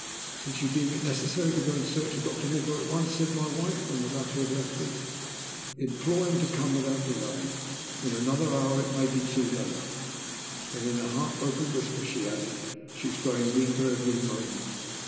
"Since you deem it necessary, go in search of Doctor Nikola at once," said my wife, when the latter had left us. "Implore him to come without delay; in another hour it may be too late." Then in a heart broken whisper she added, "She is growing weaker every moment.